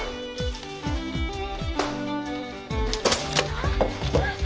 あっ。